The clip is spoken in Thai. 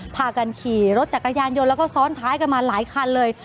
พากันขี่รถจักรยานยนต์แล้วก็ซ้อนท้ายกันมาหลายคันเลย